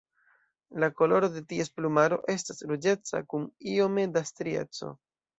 La koloro de ties plumaro estas ruĝeca kun iome da strieco.